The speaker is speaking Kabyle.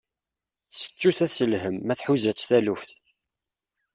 Settuɣ-as lhem, ma tḥuza-tt taluft.